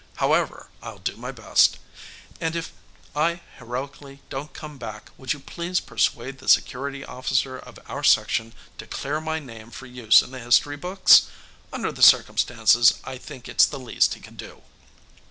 However, I'll do my best. And if I heroically don't come back, would you please persuade the Security Officer of our section to clear my name for use in the history books? Under the circumstances, I think it's the least he could do."